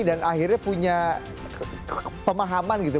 dan akhirnya punya pemahaman gitu